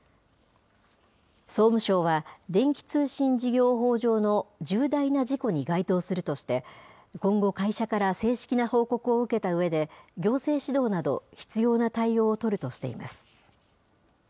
総務省は、電気通信事業法上の重大な事故に該当するとして、今後、会社から正式な報告を受けたうえで、行政指導など、必要な対応を取るとしています。